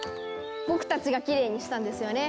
僕たちがきれいにしたんですよね！